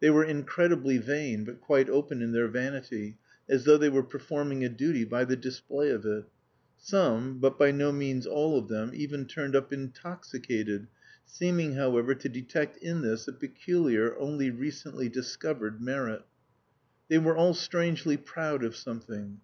They were incredibly vain, but quite open in their vanity, as though they were performing a duty by the display of it. Some (but by no means all) of them even turned up intoxicated, seeming, however, to detect in this a peculiar, only recently discovered, merit. They were all strangely proud of something.